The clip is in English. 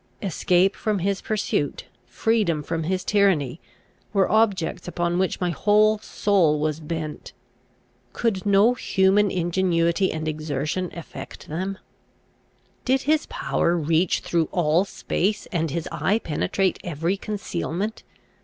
Escape from his pursuit, freedom from his tyranny, were objects upon which my whole soul was bent. Could no human ingenuity and exertion effect them? Did his power reach through all space, and his eye penetrate every concealment?